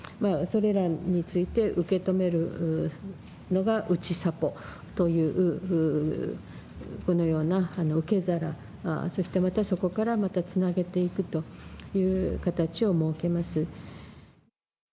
それらについて、受け止めるのが、うちさぽという、このような受け皿、そしてまたそこからまたつなげていくという形を設けます。